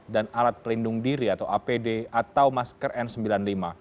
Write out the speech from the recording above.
dan alat pelindung diri atau apd atau masker n sembilan puluh lima